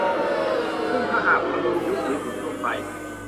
ซึ่งถ้าหากหัวนมยุบหรือบุ๋มลงไป